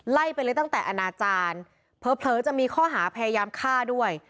ไล่ไปเลยตั้งแต่อนาจารย์เผลอจะมีข้อหาพยายามฆ่าด้วย